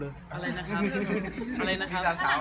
เราจะบอกตรงนี้ยังไง